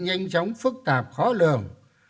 nhanh chóng phức tạp khó lược